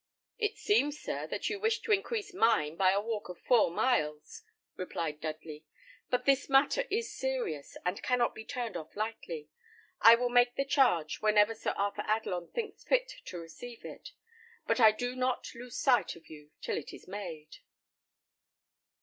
"It seems, sir, that you wished to increase mine by a walk of four miles," replied Dudley; "but this matter is serious, and cannot be turned off lightly. I will make the charge whenever Sir Arthur Adelon thinks fit to receive it; but I do not lose sight of you till it is made."